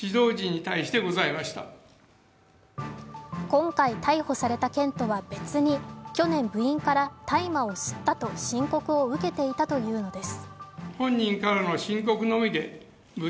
今回逮捕された件とは別に、去年部員から大麻を吸ったと申告を受けていたというのです。